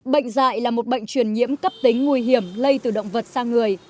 bệnh dạy là một bệnh truyền nhiễm cấp tính nguy hiểm lây từ động vật sang người